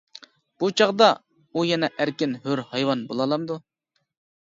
بۇ چاغدا ئۇ يەنە ئەركىن، ھۆر ھايۋان بولالامدۇ؟ .